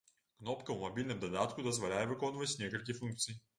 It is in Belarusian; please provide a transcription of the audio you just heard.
Кнопка ў мабільным дадатку дазваляе выконваць некалькі функцый.